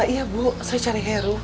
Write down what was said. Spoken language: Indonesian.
iya bu saya cari heru